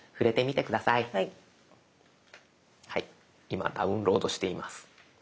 今ダウンロードしています。